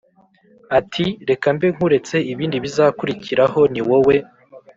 ati”reka mbe nkuretse ibindi bizakurikiraho niwowe